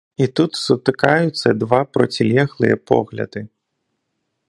І тут сутыкаюцца два процілеглыя погляды.